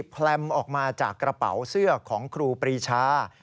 แพลมออกมาจากกระเป๋าเสื้อของครูปรีชา